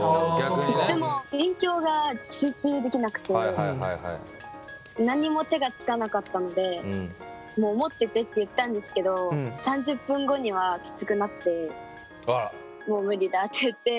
でも勉強が集中できなくて何も手がつかなかったのでもう持っててって言ったんですけど３０分後にはキツくなってもう無理だって言って。